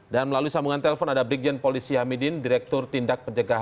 dan melalui sambungan telepon ada brigjen polisi hamidin direktur tindak pejabat